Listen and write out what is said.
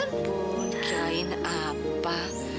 ampun kain apa